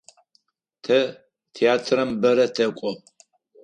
Тэ театрэм бэрэ тэкӏо.